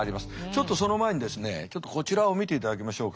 ちょっとその前にですねちょっとこちらを見ていただきましょうか。